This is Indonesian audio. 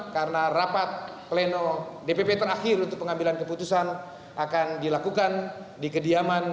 karena rapat pleno dpp terakhir untuk pengambilan keputusan akan dilakukan di kediaman